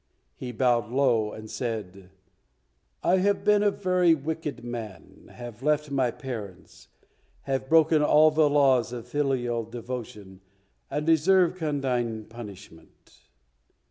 He bowed low, and said, "I have been a very wicked man, have left my parents, have broken all the laws of filial devotion, and deserve condign punishment."